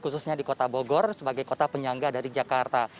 khususnya di kota bogor sebagai kota penyangga dari jakarta